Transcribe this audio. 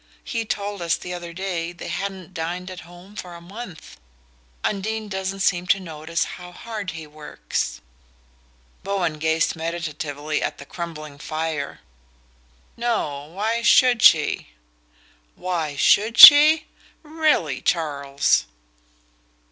He told us the other day they hadn't dined at home for a month. Undine doesn't seem to notice how hard he works." Bowen gazed meditatively at the crumbling fire. "No why should she?" "Why SHOULD she? Really, Charles